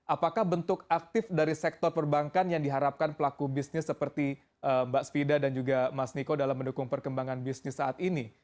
apakah bentuk aktif dari sektor perbankan yang diharapkan pelaku bisnis seperti mbak svida dan juga mas niko dalam mendukung perkembangan bisnis saat ini